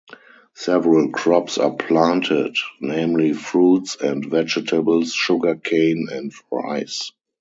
Several crops are planted, namely fruits and vegetables, sugar cane, and rice.